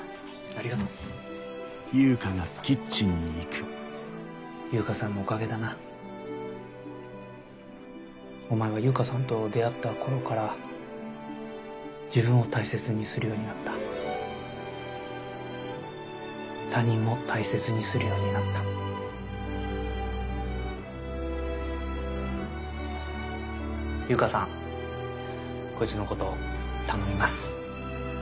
ありがとう悠香さんのおかげだなお前は悠香さんと出会った頃から自分を大切にするようになった他人も大切にするようになった悠香さんこいつのこと頼みます